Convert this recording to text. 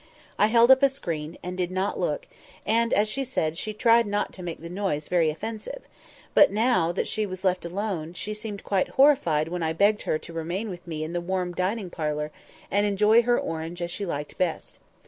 I held up a screen, and did not look, and, as she said, she tried not to make the noise very offensive; but now that she was left alone, she seemed quite horrified when I begged her to remain with me in the warm dining parlour, and enjoy her orange as she liked best.